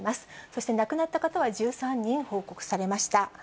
そして亡くなった方は１３人報告されました。